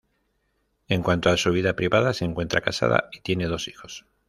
En cuanto a su vida privada se encuentra casada y tiene dos hijos.